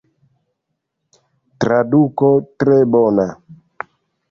Traduko tre bona.